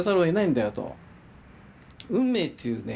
運命っていうね